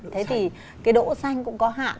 thế thì cái đỗ xanh cũng có hạn